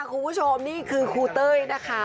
คุณผู้ชมนี่คือครูเต้ยนะคะ